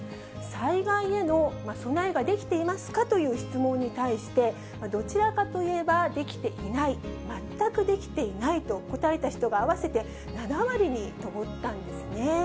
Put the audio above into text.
災害への備えができていますかという質問に対して、どちらかといえばできていない、全くできていないと答えた人が合わせて７割に上ったんですね。